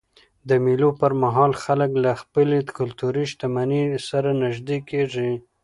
د مېلو پر مهال خلک له خپلي کلتوري شتمنۍ سره نيژدې کېږي.